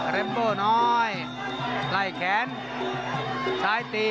เรมเบอร์น้อยไล่แขนใส่ตี